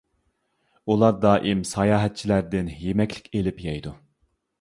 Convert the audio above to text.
ئۇلار دائىم ساياھەتچىلەردىن يېمەكلىك ئېلىپ يەيدۇ.